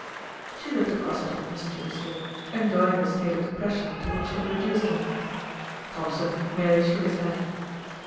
She looked across at him mischievously, enjoying the state of depression to which she had reduced him. Thompson merely shook his head.